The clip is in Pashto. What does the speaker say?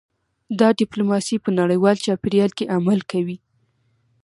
دا ډیپلوماسي په نړیوال چاپیریال کې عمل کوي